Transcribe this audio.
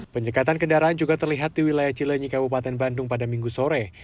penyekatan kendaraan juga terlihat di wilayah cile nyika bupaten bandung pada minggu sore